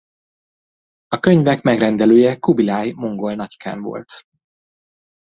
A könyvek megrendelője Kubiláj mongol nagykán volt.